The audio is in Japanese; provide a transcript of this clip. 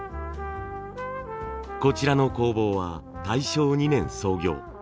こちらの工房は大正２年創業。